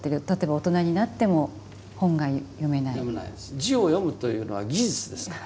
字を読むというのは技術ですから。